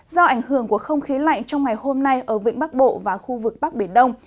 do ảnh hưởng của không khí lạnh trong ngày hôm nay ở vĩnh bắc bộ và khu vực bắc biển đông